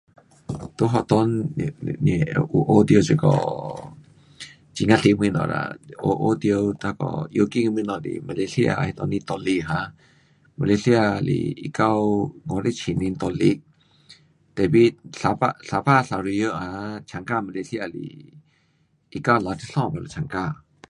在学堂会，有学到这个很呀多东西啦，学，学到那个要紧的东西是马来西亚的那当时独立 um 马来西是一九五七年独立，tapi 沙巴，沙巴砂朥越啊，参加马来西亚是一九六三 baru 参加。